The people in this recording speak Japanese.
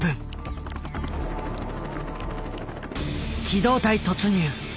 機動隊突入。